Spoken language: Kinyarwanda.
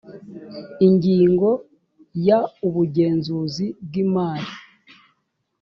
ingingo ya ubugenzuzi bw imari